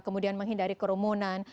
kemudian menghindari kerumunan